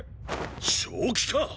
正気か？